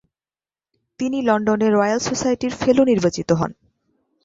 তিনি লন্ডনে রয়্যাল সোসাইটির ফেলো নির্বাচিত হন।